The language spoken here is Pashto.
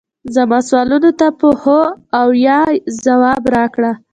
زما سوالونو ته په هو او یا ځواب راکړه